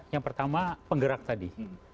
yang pertama penggerak tadi